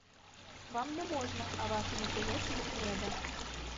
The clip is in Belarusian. Вам не можна, а вашаму прыяцелю трэба!